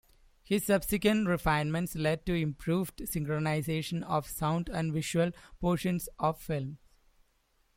His subsequent refinements led to improved synchronization of sound and visual portions of films.